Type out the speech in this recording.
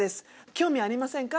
興味ありませんか？